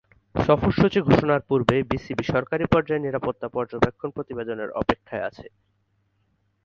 সফর সূচী ঘোষণার পূর্বে বিসিবি সরকারী পর্যায়ে নিরাপত্তা পর্যবেক্ষণ প্রতিবেদনের অপেক্ষায় আছে।